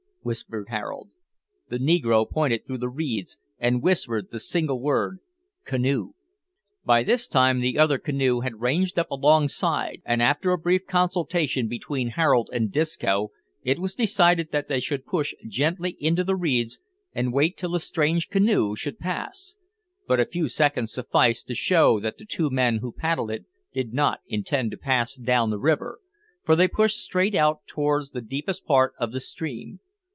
whispered Harold. The negro pointed through the reeds, and whispered the single word "Canoe." By this time the other canoe had ranged up alongside, and after a brief consultation between Harold and Disco, it was decided that they should push gently into the reeds, and wait till the strange canoe should pass; but a few seconds sufficed to show that the two men who paddled it did not intend to pass down the river, for they pushed straight out towards the deepest part of the stream.